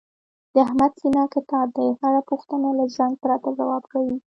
د احمد سینه کتاب دی، هره پوښتنه له ځنډ پرته ځواب کوي.